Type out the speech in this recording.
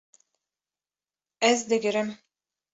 Ez digirim